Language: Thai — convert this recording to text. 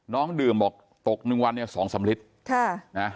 น้องดื่มออกตกนึงวันเนี่ย๒๓ลิตร